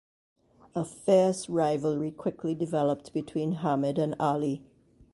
A fierce rivalry quickly developed between Hamid and Ali.